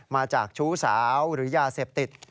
มาจากชู้สาวหรือยาเสพติด